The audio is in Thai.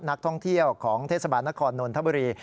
นักท่องเที่ยวของเทศบาลนครนนทบุรี